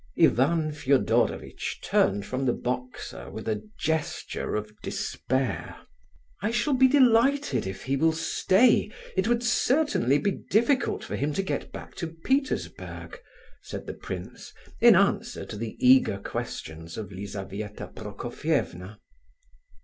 Ivan Fedorovitch turned from the boxer with a gesture of despair. "I shall be delighted if he will stay; it would certainly be difficult for him to get back to Petersburg," said the prince, in answer to the eager questions of Lizabetha Prokofievna.